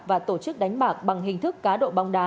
và tổ chức đánh bạc bằng hình thức cá độ bóng đá